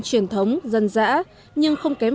truyền thống dân dã nhưng không kém